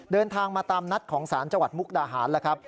เดินทางมาตามนัดของศาลจังหวัดมุกดาหารแล้วครับ